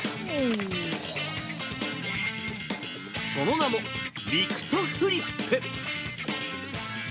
その名も、リクトフリップ。